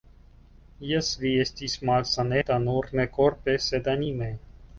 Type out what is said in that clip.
Jes, vi estis malsaneta, nur ne korpe, sed anime.